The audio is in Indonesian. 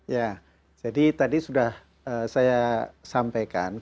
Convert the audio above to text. ya jadi tadi sudah saya sampaikan